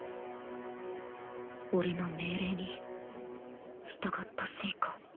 俺の命令に従ったせいか